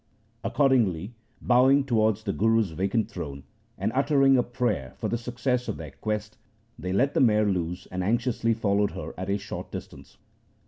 Accordingly, bowing towards the Guru's vacant throne, and uttering a prayer for the success of their quest, they let the mare loose and anxiously followed her at a short distance.